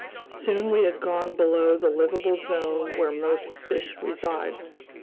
Soon we had gone below the livable zone where most fish reside.